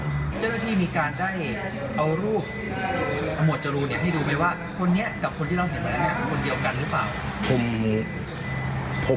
เจ้าที่มีการได้เอารูปอรรหมดจรูเนี่ยให้ดูไปว่าคนนี้กับคนที่เราเห็นมาแล้วเนี่ยเป็นคนเดียวกันหรือเปล่า